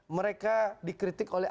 mereka dikritik oleh